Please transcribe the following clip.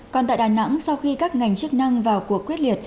còn tại đà nẵng sau khi các ngành chức năng vào cuộc quyết liệt